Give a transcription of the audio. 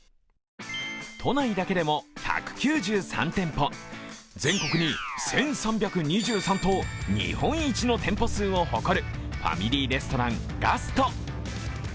都内だけでも１９３店舗、全国に１３２３と日本一の店舗数を誇るファミリーレストラン、ガスト。